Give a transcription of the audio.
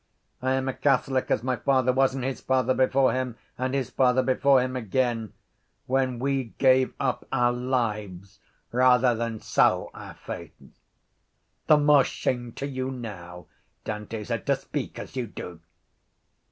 I am a catholic as my father was and his father before him and his father before him again when we gave up our lives rather than sell our faith. —The more shame to you now, Dante said, to speak as you do.